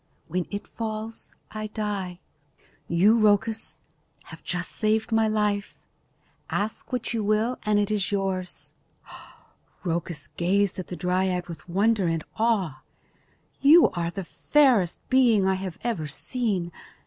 When it falls, I die. You, Rhoecus, have just saved my life. Ask what you will and it is yours." Rhoecus gazed at the dryad with wonder and awe. "You are the fairest being I have ever seen.